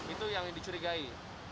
itu yang dicurigai